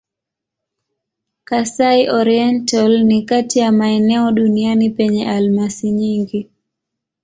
Kasai-Oriental ni kati ya maeneo duniani penye almasi nyingi.